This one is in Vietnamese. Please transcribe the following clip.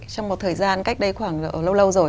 trong một thời gian cách đây khoảng lâu lâu rồi